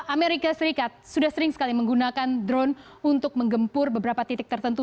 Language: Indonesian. amerika serikat sudah sering sekali menggunakan drone untuk menggempur beberapa titik tertentu